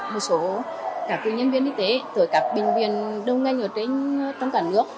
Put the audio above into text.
một số các nhân viên y tế từ các bệnh viện đồng ngành ở trên trong cả nước